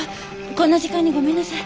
こんな時間にごめんなさい。